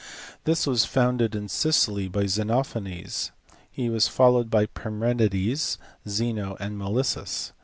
This was founded in Sicily by Xenophanes. He was followed by Parmenides, Zeno, and Melissus.